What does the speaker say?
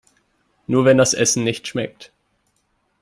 Nur wenn das Essen nicht schmeckt.